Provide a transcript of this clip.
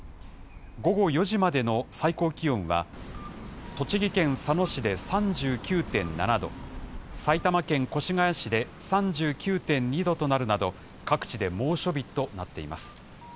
午後４時までの最高気温は、栃木県佐野市で３９．７度、埼玉県越谷市で３９．２度となるなど、各地で猛暑日となっています。